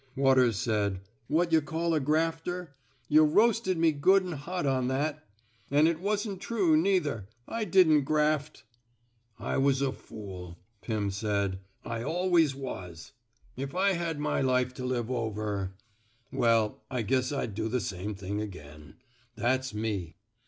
Waters said: What yuh call a grafter? Yuh roasted me good an' hot on that. And it wasn't true, neither. I didn't graft." I was a fool, '' Pirn said. I always was ! 193 ( THE SMOKE EATERS If I had my life to live over — Well, I guess I'd do the same thing again. That's me.